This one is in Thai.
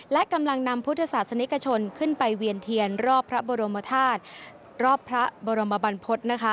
และกำลังนำพุทธศาสนิกชนขึ้นไปเวียนเทียนรอบพระบรมธาตุรอบพระบรมบรรพฤษนะคะ